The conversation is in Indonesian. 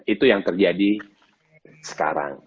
itu yang terjadi sekarang